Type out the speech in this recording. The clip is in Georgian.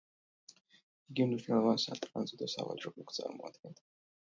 იგი მნიშვნელოვან სატრანზიტო სავაჭრო პუნქტს წარმოადგენდა.